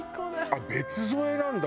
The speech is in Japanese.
あっ別添えなんだ？